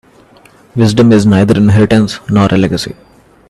Wisdom is neither inheritance nor a legacy.